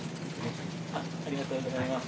ありがとうございます。